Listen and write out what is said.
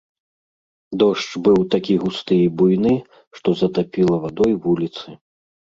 Дождж быў такі густы і буйны, што затапіла вадой вуліцы.